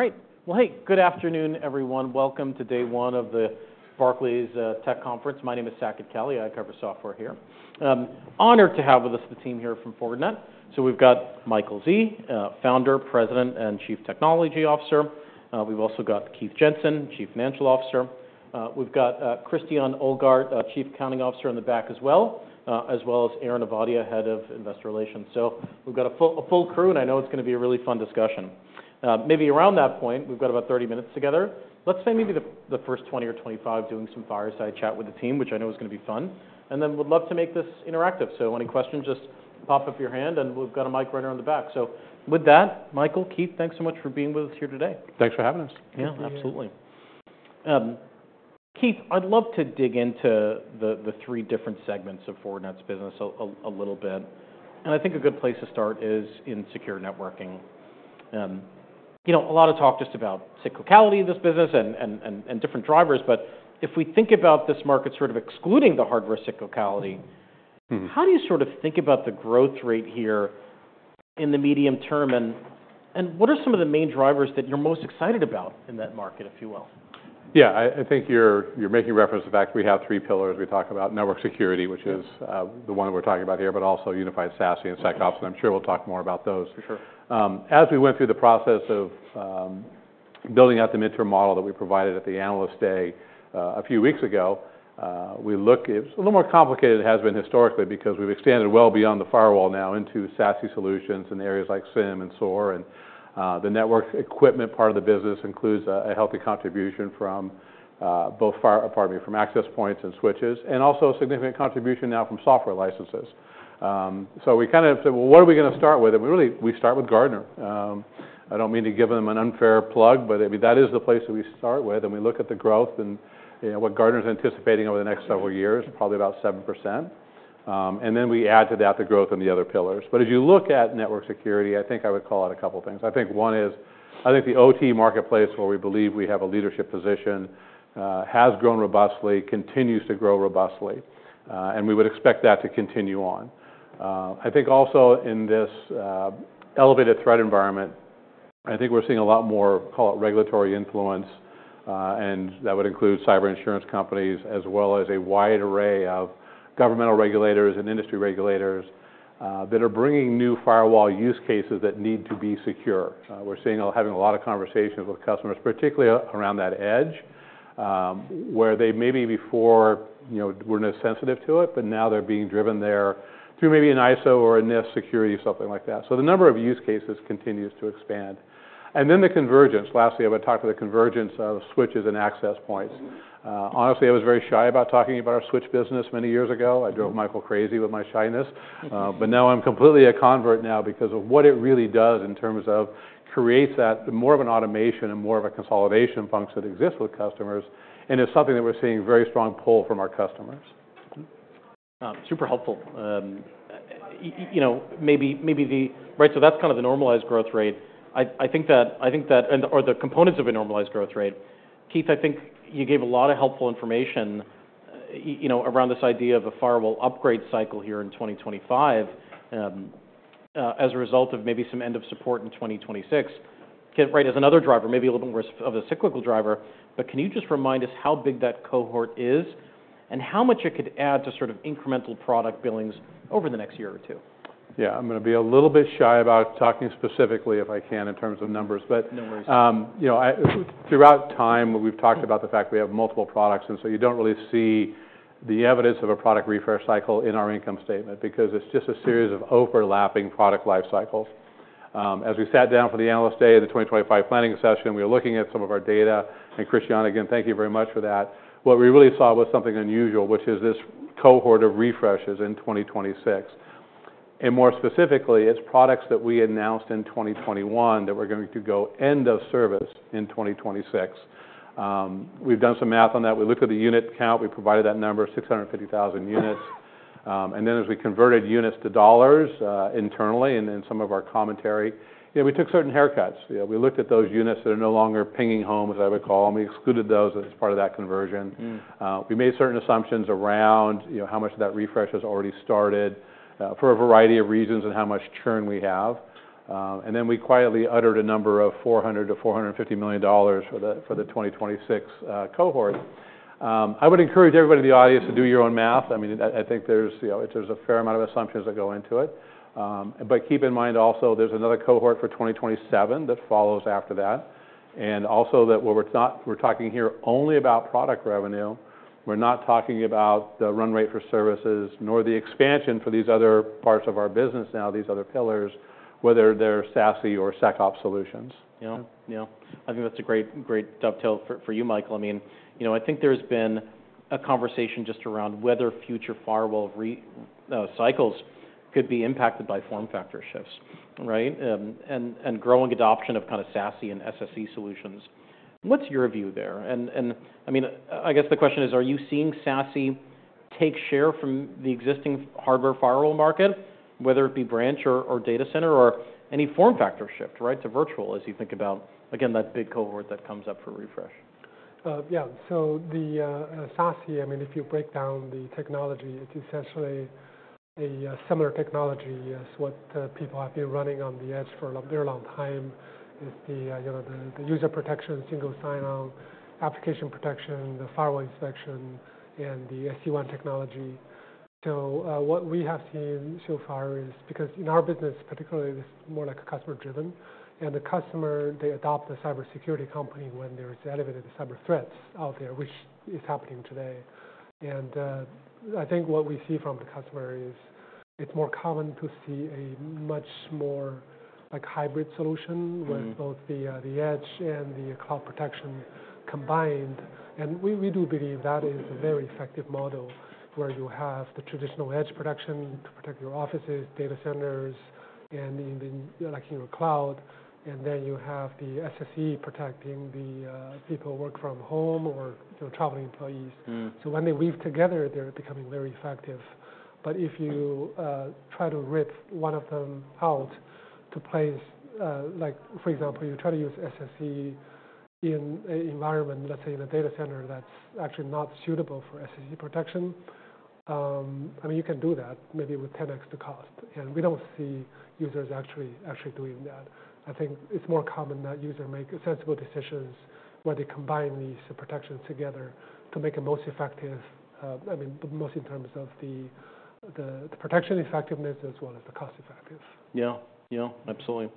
All right. Well, hey, good afternoon, everyone. Welcome to day one of the Barclays Tech Conference. My name is Saket Kalia. I cover software here. Honored to have with us the team here from Fortinet. So we've got Michael Xie, Founder, President, and Chief Technology Officer. We've also got Keith Jensen, Chief Financial Officer. We've got Christiane Ohlgart, Chief Accounting Officer in the back as well as Aaron Ovadia, Head of Investor Relations. So we've got a full crew, and I know it's gonna be a really fun discussion. Maybe around that point, we've got about 30 minutes together. Let's say maybe the first 20 or 25 doing some fireside chat with the team, which I know is gonna be fun, and then we'd love to make this interactive. So any questions, just pop up your hand, and we've got a mic right around the back. So with that, Michael, Keith, thanks so much for being with us here today. Thanks for having us. Yeah, absolutely. Keith, I'd love to dig into the three different segments of Fortinet's business a little bit. And I think a good place to start is in Secure Networking. You know, a lot of talk just about cyclicality of this business and different drivers. But if we think about this market sort of excluding the hardware cyclicality. Mm-hmm. How do you sort of think about the growth rate here in the medium term? And, what are some of the main drivers that you're most excited about in that market, if you will? Yeah, I think you're making reference to the fact we have three pillars. We talk about network security, which is. Mm-hmm. the one that we're talking about here, but also Unified SASE and SecOps, and I'm sure we'll talk more about those. For sure. As we went through the process of building out the midterm model that we provided at the Analyst Day a few weeks ago, we looked it was a little more complicated than it has been historically because we've expanded well beyond the firewall now into SASE solutions in areas like SIEM and SOAR. The network equipment part of the business includes a healthy contribution from both fire, pardon me, from access points and switches, and also a significant contribution now from software licenses. We kind of said, well, what are we gonna start with? We really start with Gartner. I don't mean to give them an unfair plug, but I mean, that is the place that we start with. We looked at the growth and, you know, what Gartner's anticipating over the next several years, probably about 7%. And then we add to that the growth in the other pillars. But as you look at network security, I think I would call out a couple of things. I think one is the OT marketplace where we believe we have a leadership position, has grown robustly, continues to grow robustly, and we would expect that to continue on. I think also in this elevated threat environment, we're seeing a lot more, call it regulatory influence, and that would include cyber insurance companies as well as a wide array of governmental regulators and industry regulators, that are bringing new firewall use cases that need to be secure. We're seeing, having a lot of conversations with customers, particularly around that edge, where they maybe before, you know, were not sensitive to it, but now they're being driven there through maybe an ISO or a NIST security or something like that. So the number of use cases continues to expand. And then the convergence. Lastly, I would talk to the convergence of switches and access points. Honestly, I was very shy about talking about our switch business many years ago. I drove Michael crazy with my shyness. But now I'm completely a convert now because of what it really does in terms of creates that more of an automation and more of a consolidation function that exists with customers. And it's something that we're seeing a very strong pull from our customers. Super helpful. You know, maybe the right, so that's kind of the normalized growth rate. I think that—and or the components of a normalized growth rate. Keith, I think you gave a lot of helpful information, you know, around this idea of a firewall upgrade cycle here in 2025, as a result of maybe some end-of-support in 2026. Right, as another driver, maybe a little bit more of a cyclical driver, but can you just remind us how big that cohort is and how much it could add to sort of incremental product billings over the next year or two? Yeah, I'm gonna be a little bit shy about talking specifically if I can in terms of numbers, but. No worries. You know, throughout time, we've talked about the fact we have multiple products. So you don't really see the evidence of a product refresh cycle in our income statement because it's just a series of overlapping product life cycles. As we sat down for the Analyst Day in the 2025 planning session, we were looking at some of our data. And Christiane, again, thank you very much for that. What we really saw was something unusual, which is this cohort of refreshes in 2026. And more specifically, it's products that we announced in 2021 that we're going to go end of service in 2026. We've done some math on that. We looked at the unit count. We provided that number, 650,000 units. And then as we converted units to dollars, internally and then some of our commentary, you know, we took certain haircuts. You know, we looked at those units that are no longer pinging home, as I would call them. We excluded those as part of that conversion. Mm-hmm. We made certain assumptions around, you know, how much of that refresh has already started, for a variety of reasons and how much churn we have. And then we quietly uttered a number of $400 million-$450 million for the 2026 cohort. I would encourage everybody in the audience to do your own math. I mean, I think there's, you know, a fair amount of assumptions that go into it. But keep in mind also there's another cohort for 2027 that follows after that. And also that while we're not. We're talking here only about product revenue, we're not talking about the run rate for services nor the expansion for these other parts of our business now, these other pillars, whether they're SASE or SecOps solutions. Yeah. Yeah. I think that's a great, great dovetail for you, Michael. I mean, you know, I think there's been a conversation just around whether future firewall refresh cycles could be impacted by form factor shifts, right, and growing adoption of kind of SASE and SSE solutions. What's your view there? And I mean, I guess the question is, are you seeing SASE take share from the existing hardware firewall market, whether it be branch or data center or any form factor shift, right, to virtual as you think about, again, that big cohort that comes up for refresh? Yeah. So the SASE, I mean, if you break down the technology, it's essentially a similar technology as what people have been running on the edge for a very long time. It's the, you know, the user protection, single sign-on, application protection, the firewall inspection, and the SD-WAN technology. So, what we have seen so far is because in our business, particularly, it's more like a customer-driven. And the customer, they adopt the cybersecurity company when there's elevated cyber threats out there, which is happening today. And, I think what we see from the customer is it's more common to see a much more, like, hybrid solution with both the edge and the cloud protection combined. And we do believe that is a very effective model where you have the traditional edge protection to protect your offices, data centers, and in the, like, in your cloud. And then you have the SSE protecting the people who work from home or, you know, traveling employees. Mm-hmm. So when they weave together, they're becoming very effective. But if you try to rip one of them out to place, like, for example, you try to use SSE in an environment, let's say, in a data center that's actually not suitable for SSE protection, I mean, you can do that maybe with 10X the cost. And we don't see users actually doing that. I think it's more common that users make sensible decisions where they combine these protections together to make it most effective, I mean, the most in terms of the protection effectiveness as well as the cost effectiveness. Yeah. Yeah. Absolutely.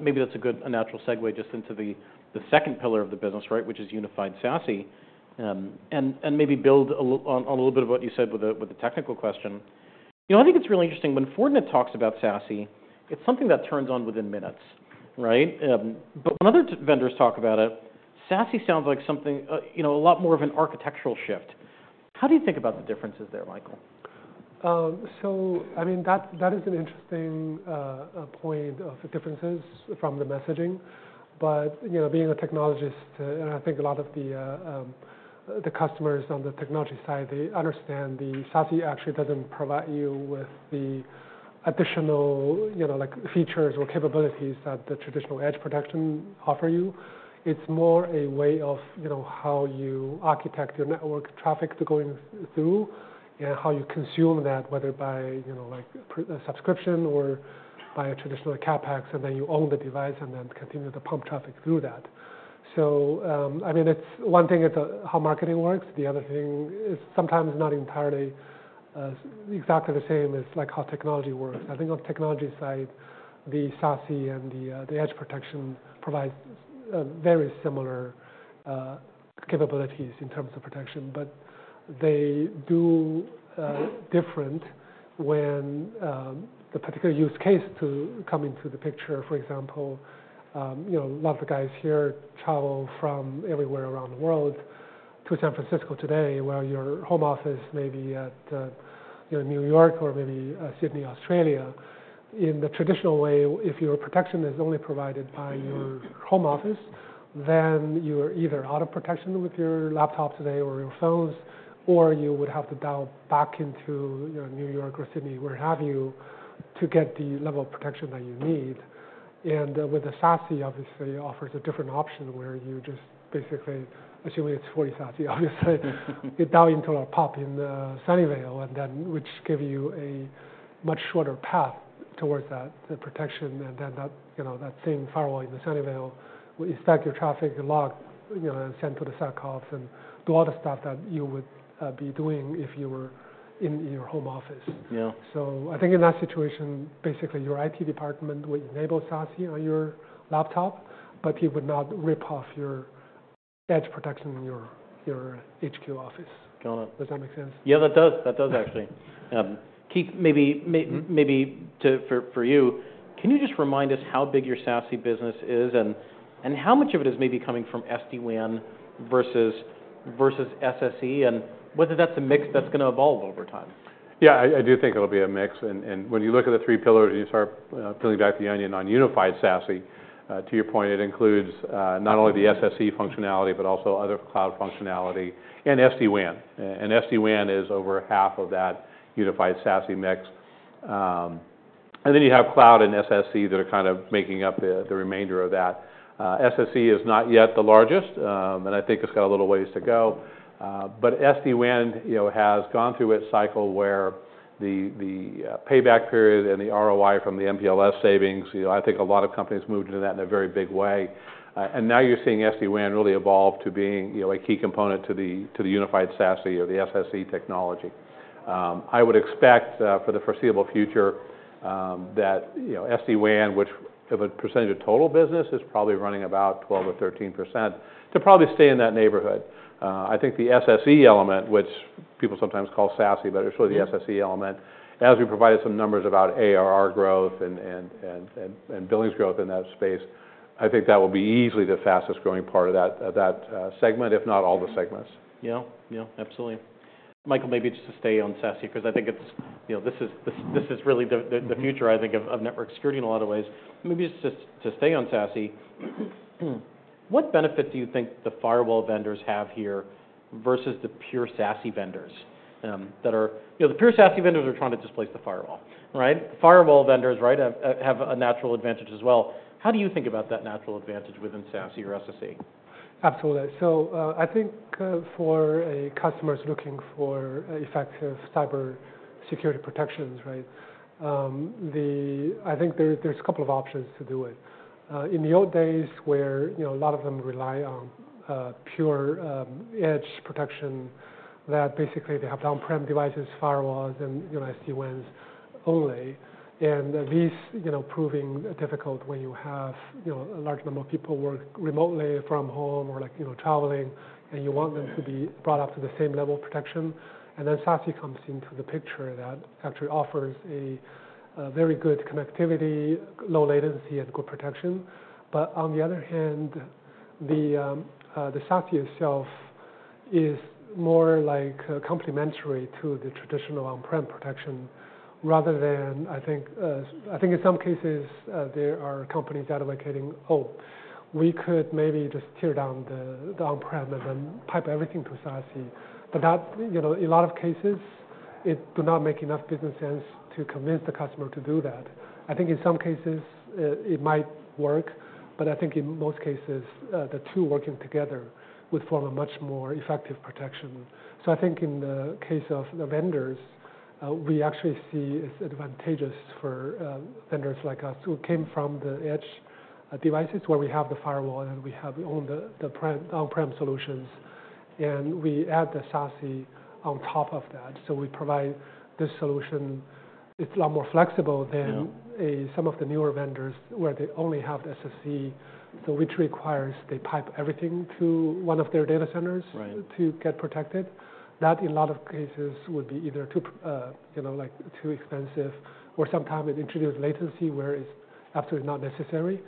Maybe that's a good, a natural segue just into the, the second pillar of the business, right, which is Unified SASE. And, and maybe build a little on, on a little bit of what you said with the, with the technical question. You know, I think it's really interesting when Fortinet talks about SASE, it's something that turns on within minutes, right? But when other vendors talk about it, SASE sounds like something, you know, a lot more of an architectural shift. How do you think about the differences there, Michael? So, I mean, that is an interesting point of difference from the messaging. But, you know, being a technologist, and I think a lot of the customers on the technology side, they understand the SASE actually doesn't provide you with the additional, you know, like, features or capabilities that the traditional edge protection offers you. It's more a way of, you know, how you architect your network traffic to going through and how you consume that, whether by, you know, like, a subscription or by a traditional CapEx, and then you own the device and then continue to pump traffic through that. So, I mean, it's one thing is, how marketing works. The other thing is sometimes not entirely exactly the same as, like, how technology works. I think on the technology side, the SASE and the SSE provides very similar capabilities in terms of protection, but they do different when the particular use case to come into the picture. For example, you know, a lot of the guys here travel from everywhere around the world to San Francisco today, where your home office may be at, you know, New York or maybe Sydney, Australia. In the traditional way, if your protection is only provided by your home office, then you are either out of protection with your laptops today or your phones, or you would have to dial back into, you know, New York or Sydney, wherever you to get the level of protection that you need, and with the SASE, obviously, it offers a different option where you just basically assume it's fully SASE, obviously. You dial into a PoP in Sunnyvale, and then which gives you a much shorter path towards that, the protection, and then that, you know, that same firewall in Sunnyvale will inspect your traffic, log, you know, and send to the SecOps and do all the stuff that you would be doing if you were in your home office. Yeah. So I think in that situation, basically, your IT department would enable SASE on your laptop, but he would not rip off your edge protection in your HQ office. Got it. Does that make sense? Yeah, that does. That does actually. Keith, maybe for you, can you just remind us how big your SASE business is and how much of it is maybe coming from SD-WAN versus SSE and whether that's a mix that's gonna evolve over time? Yeah, I do think it'll be a mix. When you look at the three pillars and you start peeling back the onion on Unified SASE, to your point, it includes not only the SSE functionality but also other cloud functionality and SD-WAN, and SD-WAN is over half of that Unified SASE mix, and then you have cloud and SSE that are kind of making up the remainder of that. SSE is not yet the largest, and I think it's got a little ways to go, but SD-WAN, you know, has gone through its cycle where the payback period and the ROI from the MPLS savings, you know, I think a lot of companies moved into that in a very big way, and now you're seeing SD-WAN really evolve to being, you know, a key component to the Unified SASE or the SSE technology. I would expect, for the foreseeable future, that, you know, SD-WAN, which of a percentage of total business is probably running about 12%-13%, to probably stay in that neighborhood. I think the SSE element, which people sometimes call SASE, but it's really the SSE element, as we provided some numbers about ARR growth and billings growth in that space, I think that will be easily the fastest growing part of that segment, if not all the segments. Yeah. Yeah. Absolutely. Michael, maybe just to stay on SASE because I think it's, you know, this is really the future, I think, of network security in a lot of ways. Maybe just to stay on SASE, what benefit do you think the firewall vendors have here versus the pure SASE vendors that are, you know, the pure SASE vendors are trying to displace the firewall, right? Firewall vendors, right, have a natural advantage as well. How do you think about that natural advantage within SASE or SSE? Absolutely. So, I think for customers looking for effective cyber security protections, right, I think there's a couple of options to do it. In the old days where, you know, a lot of them rely on pure edge protection that basically they have on-prem devices, firewalls, and, you know, SD-WANs only. And these, you know, proving difficult when you have, you know, a large number of people work remotely from home or, like, you know, traveling, and you want them to be brought up to the same level of protection. And then SASE comes into the picture that actually offers a very good connectivity, low latency, and good protection. But on the other hand, the SASE itself is more like complementary to the traditional on-prem protection rather than. I think in some cases, there are companies that are looking, "Oh, we could maybe just tear down the on-prem and then pipe everything to SASE." But that, you know, in a lot of cases, it does not make enough business sense to convince the customer to do that. I think in some cases, it might work, but I think in most cases, the two working together would form a much more effective protection. So I think in the case of the vendors, we actually see it's advantageous for vendors like us who came from the edge devices where we have the firewall and we have owned the on-prem solutions. And we add the SASE on top of that. So we provide this solution. It's a lot more flexible than. Yeah. Some of the newer vendors where they only have the SSE, so which requires they pipe everything to one of their data centers. Right. To get protected. That in a lot of cases would be either too, you know, like, too expensive or sometimes it introduces latency where it's absolutely not necessary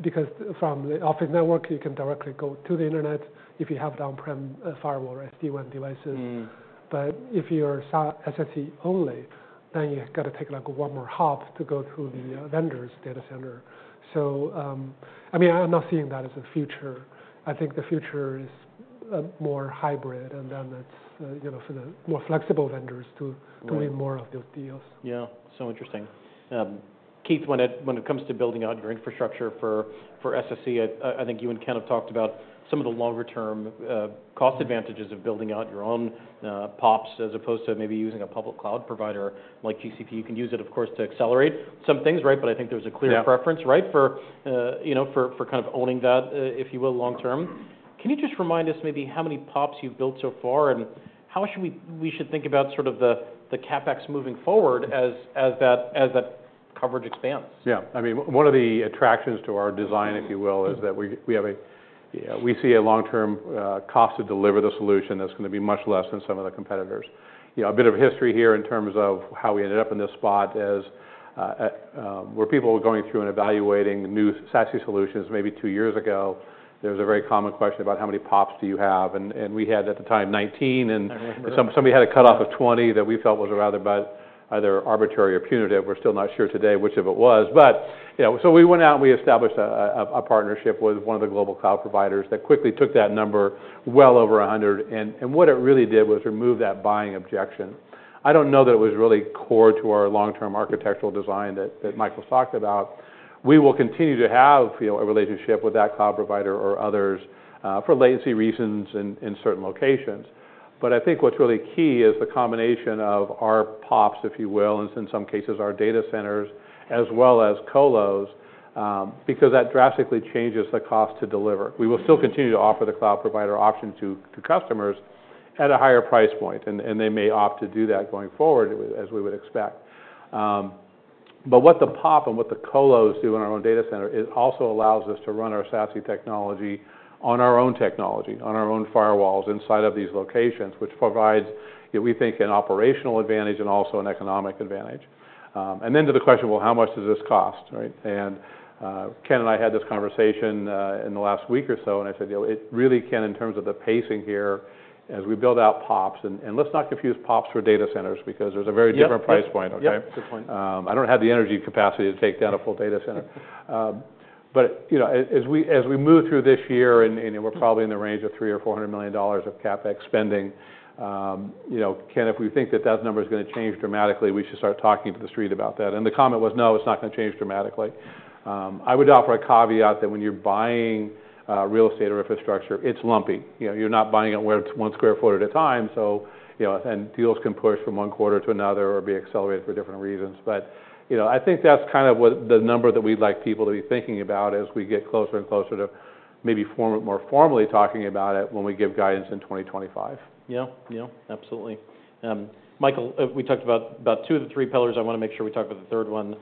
because from the office network, you can directly go to the internet if you have the on-prem firewall or SD-WAN devices. Mm-hmm. But if you're SASE only, then you gotta take, like, one more hop to go to the vendor's data center. So, I mean, I'm not seeing that as a future. I think the future is more hybrid, and then it's, you know, for the more flexible vendors to. Mm-hmm. Doing more of those deals. Yeah. So interesting. Keith, when it comes to building out your infrastructure for SSE, I think you and Ken have talked about some of the longer-term, cost advantages of building out your own POPs as opposed to maybe using a public cloud provider like GCP. You can use it, of course, to accelerate some things, right? But I think there's a clear. Yeah. Preference, right, for you know, for kind of owning that, if you will, long term. Can you just remind us maybe how many POPs you've built so far and how should we think about sort of the CapEx moving forward as that coverage expands? Yeah. I mean, one of the attractions to our design, if you will, is that we have, yeah, we see a long-term cost to deliver the solution that's gonna be much less than some of the competitors. You know, a bit of history here in terms of how we ended up in this spot is, where people were going through and evaluating new SASE solutions maybe two years ago, there was a very common question about how many POPs do you have. And we had at the time 19, and. I remember. Somebody had a cutoff of 20 that we felt was rather about either arbitrary or punitive. We're still not sure today which of it was. But, you know, so we went out and we established a partnership with one of the global cloud providers that quickly took that number well over 100. And what it really did was remove that buying objection. I don't know that it was really core to our long-term architectural design that Michael's talked about. We will continue to have, you know, a relationship with that cloud provider or others, for latency reasons in certain locations. But I think what's really key is the combination of our POPs, if you will, and in some cases our data centers as well as colos, because that drastically changes the cost to deliver. We will still continue to offer the cloud provider option to customers at a higher price point, and they may opt to do that going forward as we would expect. But what the POP and what the colos do in our own data center also allows us to run our SASE technology on our own technology, on our own firewalls inside of these locations, which provides, you know, we think an operational advantage and also an economic advantage. And then to the question, well, how much does this cost, right? And, Ken and I had this conversation, in the last week or so, and I said, you know, it really, Ken, in terms of the pacing here as we build out POPs, and let's not confuse POPs for data centers because there's a very different price point, okay? Yeah. Good point. I don't have the energy capacity to take down a full data center, but you know, as we move through this year and we're probably in the range of $300 million-$400 million of CapEx spending, you know, Ken, if we think that that number's gonna change dramatically, we should start talking to the street about that, and the comment was, "No, it's not gonna change dramatically." I would offer a caveat that when you're buying real estate or infrastructure, it's lumpy. You know, you're not buying it one square foot at a time, so you know, and deals can push from one quarter to another or be accelerated for different reasons. But, you know, I think that's kind of what the number that we'd like people to be thinking about as we get closer and closer to maybe form more formally talking about it when we give guidance in 2025. Yeah. Yeah. Absolutely. Michael, we talked about two of the three pillars. I wanna make sure we talk about the third one,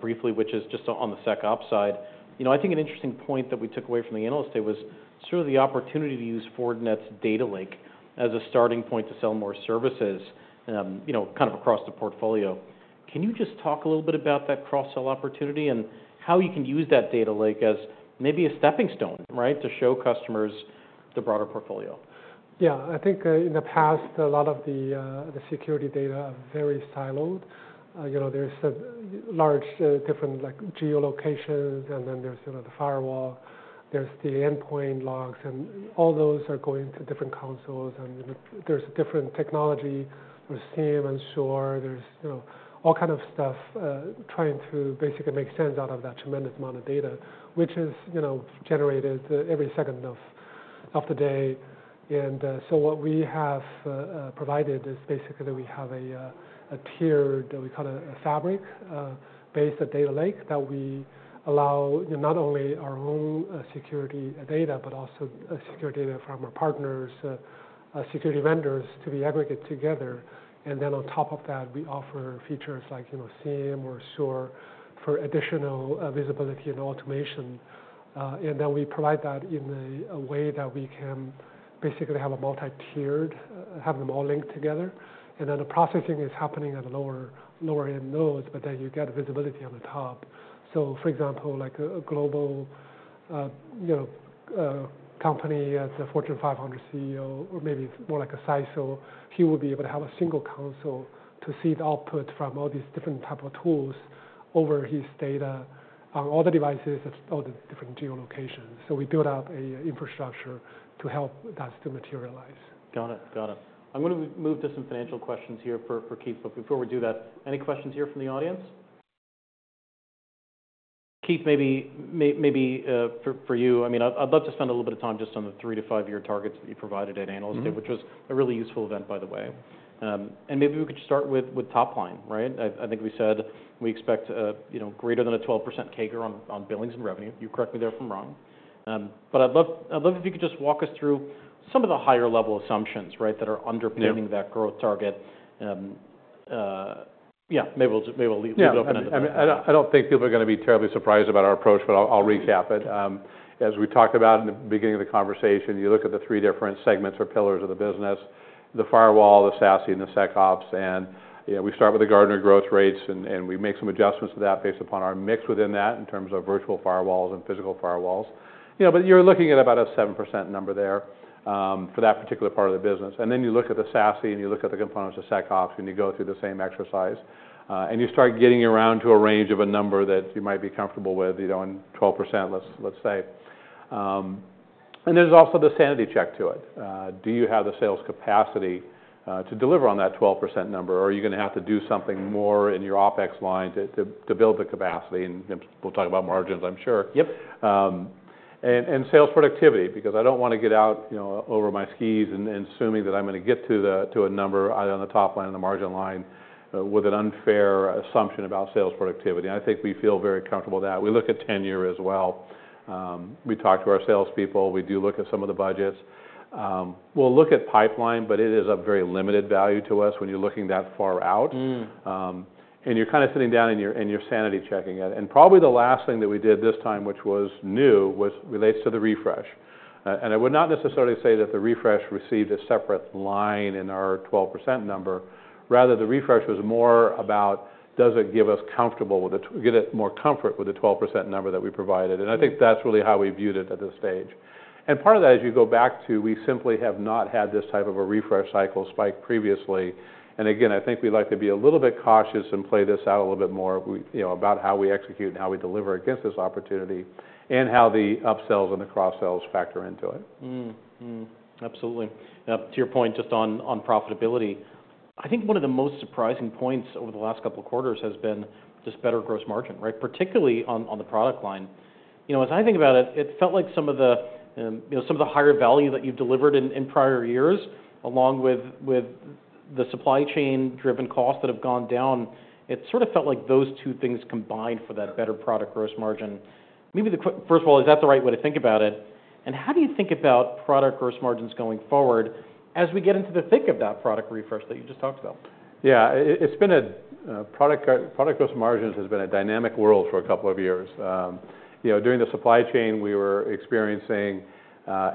briefly, which is just on the SecOps side. You know, I think an interesting point that we took away from the analyst here was sort of the opportunity to use Fortinet's data lake as a starting point to sell more services, you know, kind of across the portfolio. Can you just talk a little bit about that cross-sell opportunity and how you can use that data lake as maybe a stepping stone, right, to show customers the broader portfolio? Yeah. I think, in the past, a lot of the security data are very siloed. You know, there's a large, different, like, geolocations, and then there's, you know, the firewall. There's the endpoint logs, and all those are going to different consoles. You know, there's a different technology or SIEM and SOAR. There's, you know, all kinds of stuff, trying to basically make sense out of that tremendous amount of data, which is, you know, generated every second of the day. So what we have provided is basically we have a tier that we call a fabric, based on data lake that we allow, you know, not only our own security data, but also secure data from our partners, security vendors to be aggregated together. And then on top of that, we offer features like, you know, SIEM or SOAR for additional visibility and automation. And then we provide that in a way that we can basically have a multi-tiered, have them all linked together. And then the processing is happening at the lower-end nodes, but then you get visibility on the top. So, for example, like, a global, you know, company as a Fortune 500 CEO or maybe more like a CISO, he would be able to have a single console to see the output from all these different types of tools over his data on all the devices at all the different geolocations. So we built out an infrastructure to help that still materialize. Got it. I'm gonna move to some financial questions here for Keith, but before we do that, any questions here from the audience? Keith, maybe for you, I mean, I'd love to spend a little bit of time just on the three to five-year targets that you provided at Analyst Day, which was a really useful event, by the way. And maybe we could start with top line, right? I think we said we expect, you know, greater than a 12% CAGR on billings and revenue. You correct me there if I'm wrong. But I'd love if you could just walk us through some of the higher-level assumptions, right, that are underpinning that growth target. Yeah, maybe we'll leave it open at the back. Yeah. I mean, I don't think people are gonna be terribly surprised about our approach, but I'll recap it. As we talked about in the beginning of the conversation, you look at the three different segments or pillars of the business: the firewall, the SASE, and the SecOps. And, you know, we start with the Gartner growth rates, and we make some adjustments to that based upon our mix within that in terms of virtual firewalls and physical firewalls. You know, but you're looking at about a 7% number there, for that particular part of the business. And then you look at the SASE, and you look at the components of SecOps when you go through the same exercise. And you start getting around to a range of a number that you might be comfortable with, you know, on 12%, let's say. And there's also the sanity check to it. Do you have the sales capacity to deliver on that 12% number, or are you gonna have to do something more in your OPEX line to build the capacity? And we'll talk about margins, I'm sure. Yep. sales productivity because I don't wanna get out, you know, over my skis and assuming that I'm gonna get to a number either on the top line or the margin line, with an unfair assumption about sales productivity. I think we feel very comfortable with that. We look at tenure as well. We talk to our salespeople. We do look at some of the budgets. We'll look at pipeline, but it is a very limited value to us when you're looking that far out. Mm-hmm. And you're kinda sitting down and you're sanity checking it. And probably the last thing that we did this time, which was new, was relates to the refresh. And I would not necessarily say that the refresh received a separate line in our 12% number. Rather, the refresh was more about, does it give us comfortable with the, get it more comfort with the 12% number that we provided? And I think that's really how we viewed it at this stage. And part of that, as you go back to, we simply have not had this type of a refresh cycle spike previously. And again, I think we'd like to be a little bit cautious and play this out a little bit more, we, you know, about how we execute and how we deliver against this opportunity and how the upsells and the cross-sells factor into it. Mm-hmm. Mm-hmm. Absolutely. To your point, just on profitability, I think one of the most surprising points over the last couple of quarters has been just better gross margin, right, particularly on the product line. You know, as I think about it, it felt like some of the higher value that you've delivered in prior years, along with the supply chain-driven costs that have gone down. It sort of felt like those two things combined for that better product gross margin. Maybe the question first of all, is that the right way to think about it? And how do you think about product gross margins going forward as we get into the thick of that product refresh that you just talked about? Yeah. It's been a product gross margins has been a dynamic world for a couple of years. You know, during the supply chain, we were experiencing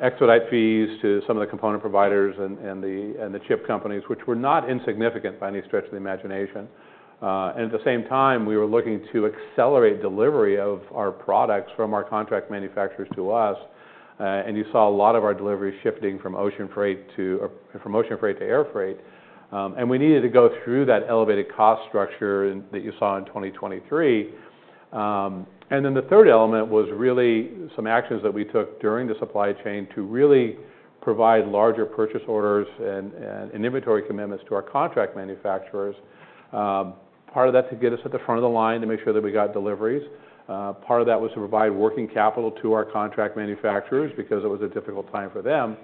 expedite fees to some of the component providers and the chip companies, which were not insignificant by any stretch of the imagination. And at the same time, we were looking to accelerate delivery of our products from our contract manufacturers to us. And you saw a lot of our delivery shifting from ocean freight to air freight. And we needed to go through that elevated cost structure that you saw in 2023. And then the third element was really some actions that we took during the supply chain to really provide larger purchase orders and inventory commitments to our contract manufacturers. Part of that to get us at the front of the line to make sure that we got deliveries. Part of that was to provide working capital to our contract manufacturers because it was a difficult time for them.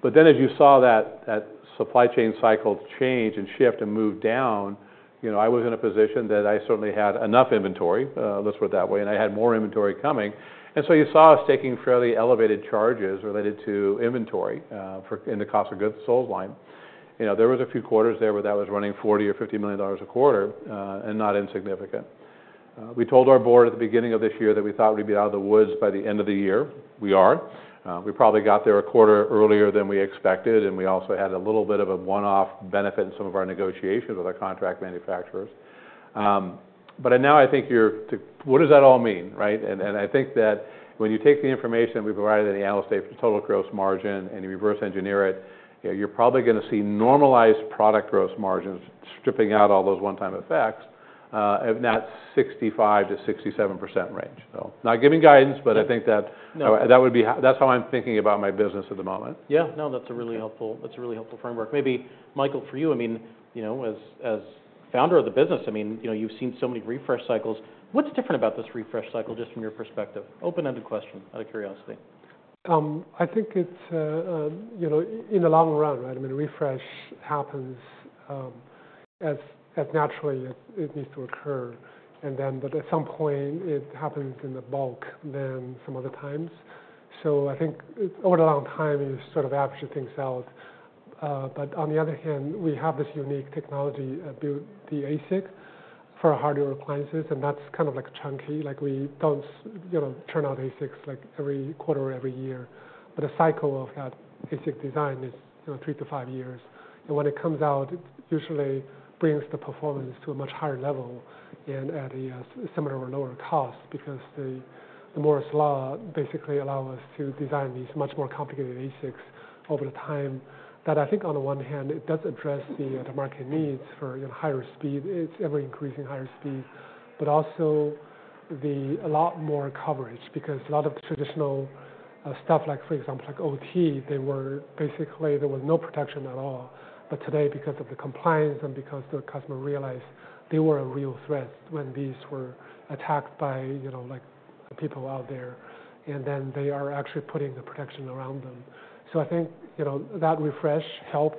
But then, as you saw that, that supply chain cycle change and shift and move down, you know, I was in a position that I certainly had enough inventory, let's put it that way, and I had more inventory coming. And so you saw us taking fairly elevated charges related to inventory, for in the cost of goods sold line. You know, there was a few quarters there where that was running $40 million or $50 million a quarter, and not insignificant. We told our board at the beginning of this year that we thought we'd be out of the woods by the end of the year. We are. We probably got there a quarter earlier than we expected, and we also had a little bit of a one-off benefit in some of our negotiations with our contract manufacturers. But now I think you're too. What does that all mean, right, and I think that when you take the information we provided in the analyst here for total gross margin and you reverse engineer it, you know, you're probably gonna see normalized product gross margins stripping out all those one-time effects, of that 65%-67% range, so not giving guidance, but I think that. No. That would be how I'm thinking about my business at the moment. Yeah. No, that's a really helpful, that's a really helpful framework. Maybe, Michael, for you, I mean, you know, as, as founder of the business, I mean, you know, you've seen so many refresh cycles. What's different about this refresh cycle just from your perspective? Open-ended question out of curiosity. I think it's, you know, in the long run, right? I mean, refresh happens as naturally as it needs to occur. And then, but at some point, it happens in bulk, then some other times. So I think over the long time, you sort of average things out. But on the other hand, we have this unique technology, built the ASIC for our hardware appliances, and that's kind of like chunky. Like, we don't, you know, turn out ASICs like every quarter or every year. But the cycle of that ASIC design is, you know, three to five years. And when it comes out, it usually brings the performance to a much higher level and at a similar or lower cost because the Moore's Law basically allows us to design these much more complicated ASICs over the time that I think on the one hand, it does address the market needs for, you know, higher speed. It's ever-increasing higher speed, but also a lot more coverage because a lot of traditional stuff, like, for example, like OT, they were basically there was no protection at all. But today, because of the compliance and because the customer realized they were a real threat when these were attacked by, you know, like, people out there, and then they are actually putting the protection around them. So I think, you know, that refresh helped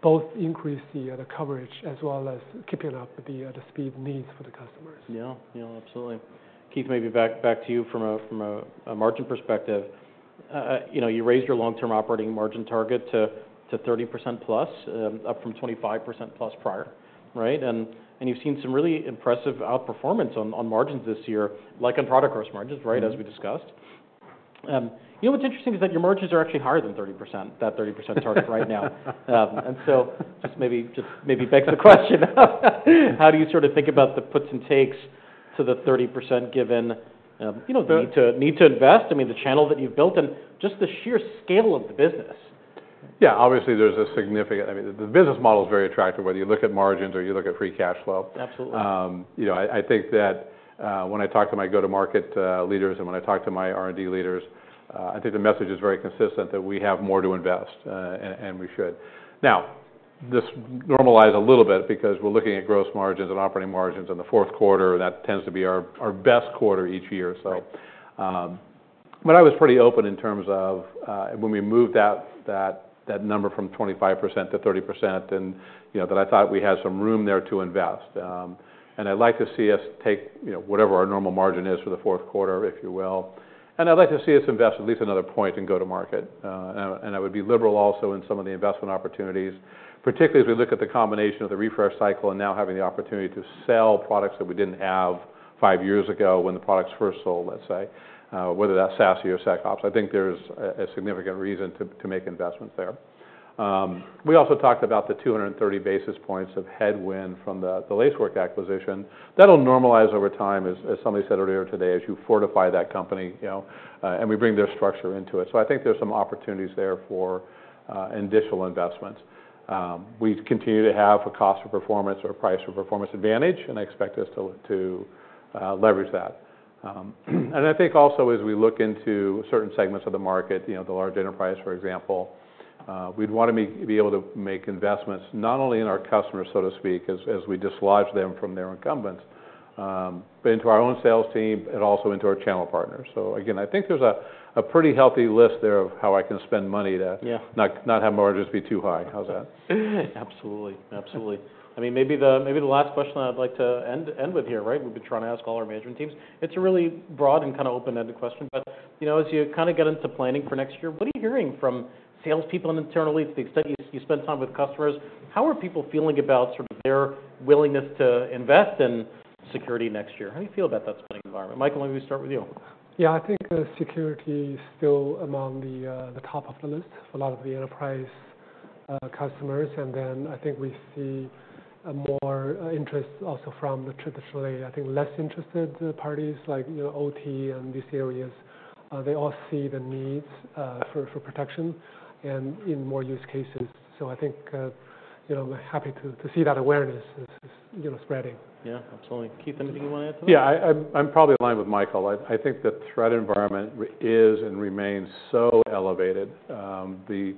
both increase the coverage as well as keeping up the speed needs for the customers. Yeah. Yeah. Absolutely. Keith, maybe back to you from a margin perspective. You know, you raised your long-term operating margin target to 30% plus, up from 25% plus prior, right? And you've seen some really impressive outperformance on margins this year, like on product gross margins, right, as we discussed. You know, what's interesting is that your margins are actually higher than 30%, that 30% target right now. And so just maybe begs the question, how do you sort of think about the puts and takes to the 30% given, you know, the need to invest, I mean, the channel that you've built and just the sheer scale of the business? Yeah. Obviously, there's a significant, I mean, the business model's very attractive whether you look at margins or you look at free cash flow. Absolutely. You know, I think that when I talk to my go-to-market leaders and when I talk to my R&D leaders, I think the message is very consistent that we have more to invest, and we should. Now, this normalized a little bit because we're looking at gross margins and operating margins in the fourth quarter, and that tends to be our best quarter each year. But I was pretty open in terms of when we moved that number from 25% to 30%, and you know that I thought we had some room there to invest. I'd like to see us take, you know, whatever our normal margin is for the fourth quarter, if you will. And I'd like to see us invest at least another point in go-to-market. And I would be liberal also in some of the investment opportunities, particularly as we look at the combination of the refresh cycle and now having the opportunity to sell products that we didn't have five years ago when the products first sold, let's say, whether that's SASE or SecOps. I think there's a significant reason to make investments there. We also talked about the 230 basis points of headwind from the Lacework acquisition. That'll normalize over time, as somebody said earlier today, as you fortify that company, you know, and we bring their structure into it. So I think there's some opportunities there for initial investments. We continue to have a cost of performance or a price of performance advantage, and I expect us to leverage that. And I think also as we look into certain segments of the market, you know, the large enterprise, for example, we'd wanna be able to make investments not only in our customers, so to speak, as we dislodge them from their incumbents, but into our own sales team and also into our channel partners. So again, I think there's a pretty healthy list there of how I can spend money to. Yeah. Not have margins be too high. How's that? Absolutely. Absolutely. I mean, maybe the last question I'd like to end with here, right? We've been trying to ask all our management teams. It's a really broad and kinda open-ended question, but, you know, as you kinda get into planning for next year, what are you hearing from salespeople and internally to the extent you spend time with customers? How are people feeling about sort of their willingness to invest in security next year? How do you feel about that spending environment? Michael, maybe we start with you. Yeah. I think security is still among the top of the list for a lot of the enterprise customers. And then I think we see a more interest also from the traditionally, I think, less interested parties like, you know, OT and these areas. They all see the needs for protection and in more use cases. So I think, you know, I'm happy to see that awareness is, you know, spreading. Yeah. Absolutely. Keith, anything you wanna add to that? Yeah. I'm probably aligned with Michael. I think the threat environment is and remains so elevated. The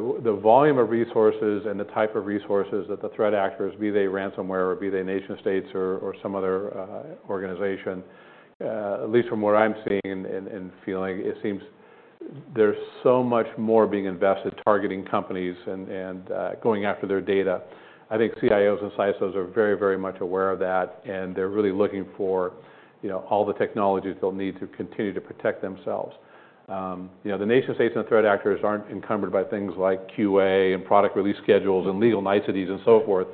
volume of resources and the type of resources that the threat actors, be they ransomware or be they nation-states or some other organization, at least from what I'm seeing and feeling, it seems there's so much more being invested targeting companies and going after their data. I think CIOs and CISOs are very, very much aware of that, and they're really looking for, you know, all the technologies they'll need to continue to protect themselves. You know, the nation-states and threat actors aren't encumbered by things like QA and product release schedules and legal niceties and so forth.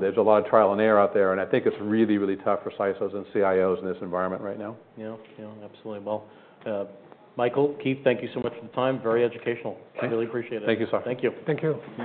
There's a lot of trial and error out there, and I think it's really, really tough for CISOs and CIOs in this environment right now. Yeah. Yeah. Absolutely. Well, Michael, Keith, thank you so much for the time. Very educational. Thank you. I really appreciate it. Thank you, sir. Thank you. Thank you.